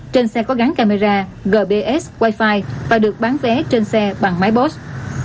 trên xe có gắn camera gps wifi và được bán vé trên xe bằng máy post